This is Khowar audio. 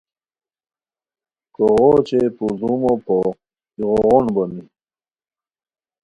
کوغو اوچے پردومو پو ایغو غون بونی